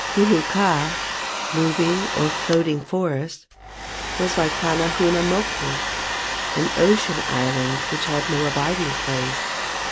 Ulu kaa (moving or floating forest) was, like Kane huna moku, an ocean island which had no abiding place.